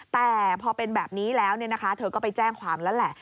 แต่พอเป็นแบบนี้แล้วเธอก็ไปแจ้งความแล้วแหละ